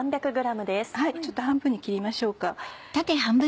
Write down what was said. ちょっと半分に切りましょうか。